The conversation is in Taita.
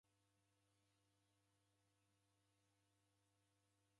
Uhu mwana oka na shoghoshogho.